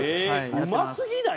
うますぎない？